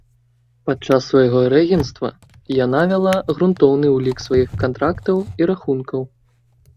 Падчас свайго рэгенцтва яна вяла грунтоўны ўлік сваіх кантрактаў і рахункаў.